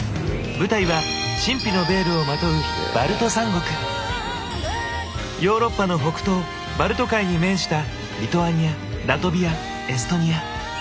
舞台は神秘のベールをまとうヨーロッパの北東バルト海に面したリトアニアラトビアエストニア。